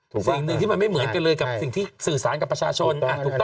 สิ่งหนึ่งที่มันไม่เหมือนกันเลยกับสิ่งที่สื่อสารกับประชาชน